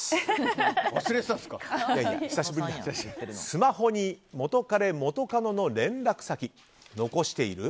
スマホに元彼・元カノの連絡先残している？